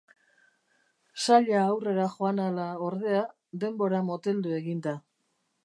Saila aurrera joan ahala, ordea, denbora moteldu egin da.